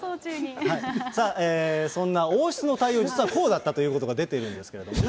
そんな王室の対応は、実はこうだったということが出てるんですけど。